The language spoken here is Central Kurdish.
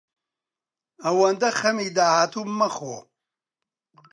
ئەوەندە خەمی داهاتوو مەخۆ.